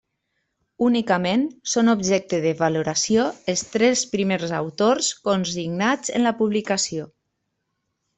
Únicament són objecte de valoració els tres primers autors consignats en la publicació.